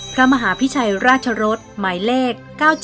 พระมหาพิชัยราชรสหมายเลข๙๗